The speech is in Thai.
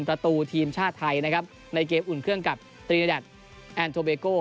ประตูทีมชาติไทยนะครับในเกมอุ่นเครื่องกับตรีระดับแอนโทเบโก้